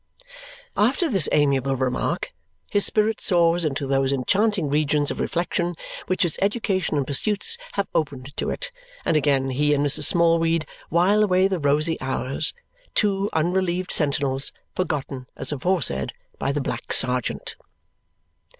After this amiable remark, his spirit soars into those enchanting regions of reflection which its education and pursuits have opened to it, and again he and Mrs. Smallweed while away the rosy hours, two unrelieved sentinels forgotten as aforesaid by the Black Serjeant.